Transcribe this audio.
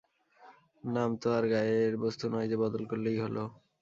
নাম তো আর গায়ের বস্ত্র নয়, যে বদল করলেই হল।